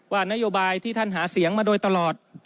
นโยบายที่ท่านหาเสียงมาโดยตลอด